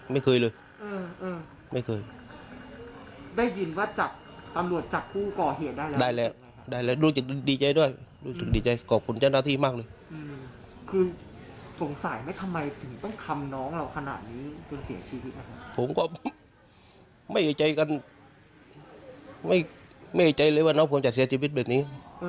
ไม่ไหงใจเลยว่าน้องผมจัดเสียชีวิตแบบนี้